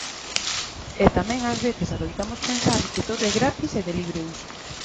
E tamén ás veces adoitamos pensar que todo é gratis e de libre uso.